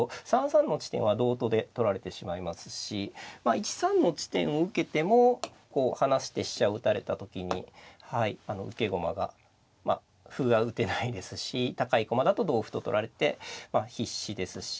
３三の地点は同とで取られてしまいますし１三の地点を受けてもこう離して飛車を打たれた時に受け駒がまあ歩は打てないですし高い駒だと同歩と取られて必至ですし。